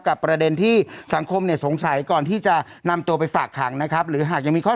หรือหากยังมีข้อสงสัยที่ต้องสอบเพิ่มนะครับก็จะนำตัวไปฝากคลังในวันพรุ่งนี้นะฮะ